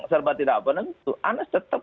serba tidak penentu anas tetap